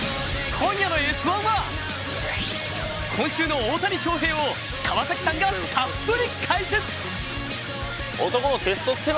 今夜の「Ｓ☆１」は今週の大谷翔平を川崎さんがたっぷり解説！